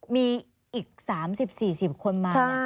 มีอีกสามสิบสี่สิบคนมา